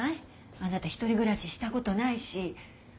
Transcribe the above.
あなた１人暮らししたことないし。